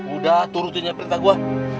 udah turutinnya perintah gue